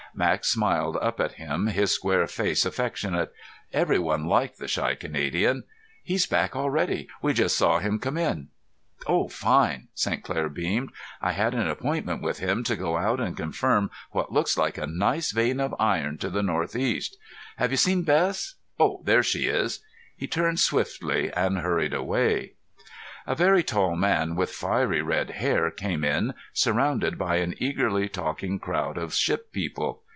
Max smiled up at him, his square face affectionate. Everyone liked the shy Canadian. "He's back already. We just saw him come in." "Oh, fine." St. Clair beamed. "I had an appointment with him to go out and confirm what looks like a nice vein of iron to the northeast. Have you seen Bess? Oh there she is." He turned swiftly and hurried away. A very tall man with fiery red hair came in surrounded by an eagerly talking crowd of ship people.